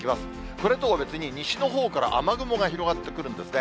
これとは別に、西のほうから雨雲が広がってくるんですね。